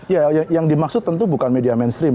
ya yang dimaksud tentu bukan media mainstream